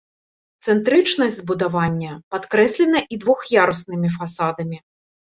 Цэнтрычнасць збудавання падкрэслена і двух'яруснымі фасадамі.